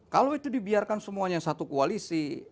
kalau itu dibiarkan semuanya satu koalisi